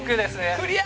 クリア！